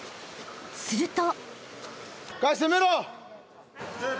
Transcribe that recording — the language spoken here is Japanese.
［すると］